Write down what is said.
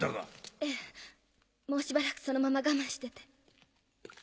ええもうしばらくそのまま我慢してて。